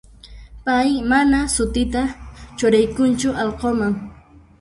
Pay mana sutita churaykunchu allqunman.